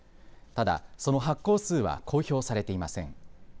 ただその発行数は公表されていません。